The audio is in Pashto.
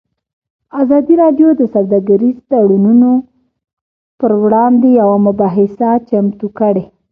ازادي راډیو د سوداګریز تړونونه پر وړاندې یوه مباحثه چمتو کړې.